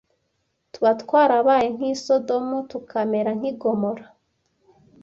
tuba twarabaye nk’i Sodomu tukamera nk’i Gomora